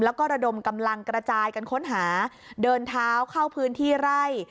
แล้วก็ระดมกำลังกระจายกันค้นหาเดินเท้าเข้าพื้นที่ไร่